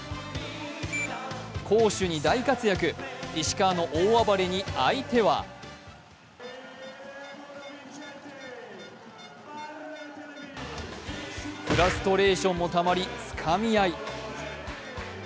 攻守に大活躍、石川の大暴れに相手はフラストレーションもたまりつかみ合い。